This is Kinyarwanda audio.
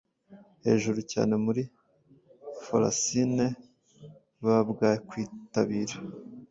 Hejuru cyane muri folacine Baabwakwitabira